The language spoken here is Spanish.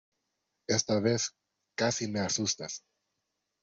Esta vez casi me asustas.